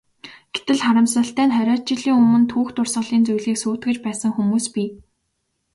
Гэтэл, харамсалтай нь хориод жилийн өмнө түүх дурсгалын зүйлийг сүйтгэж байсан хүмүүс бий.